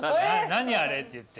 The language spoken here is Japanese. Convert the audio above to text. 「何あれ」って言って？